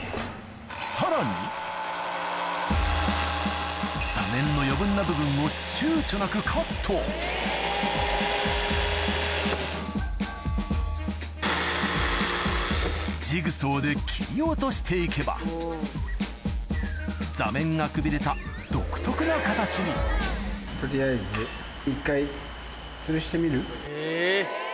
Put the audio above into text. さらに座面の余分な部分をちゅうちょなくカットジグソーで切り落としていけば座面がくびれた独特な形にえっ。